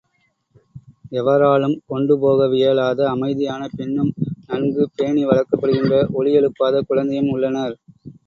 எவராலும் கொண்டு போக வியலாத அமைதியான பெண்ணும், நன்கு பேணி வளர்க்கப்படுகின்ற ஒலி எழுப்பாத குழந்தையும் உள்ளனர்.